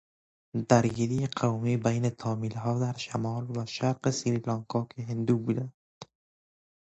درگیری قومی بین تامیلها در شمال و شرق سریلانکا که هندو بودند